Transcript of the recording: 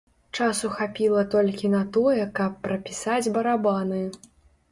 Часу хапіла толькі на тое, каб прапісаць барабаны.